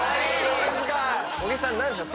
小木さん何すか？